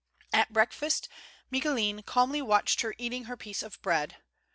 At breakfost Micoulin calmly watched her eating her piece of bread.